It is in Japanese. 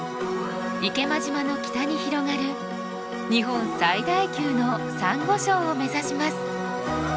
池間島の北に広がる日本最大級のサンゴ礁を目指します。